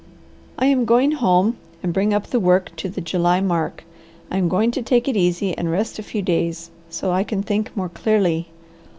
"I am going home and bring up the work to the July mark. I am going to take it easy and rest a few days so I can think more clearly.